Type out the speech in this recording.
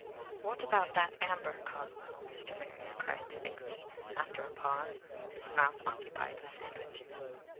"What about that amber, Cosmo?" Mr. Marrier cried thickly, after a pause, his mouth occupied with sandwich.